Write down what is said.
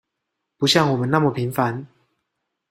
不像我們那麼平凡